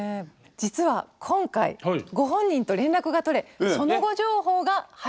実は今回ご本人と連絡が取れその後情報が入りました。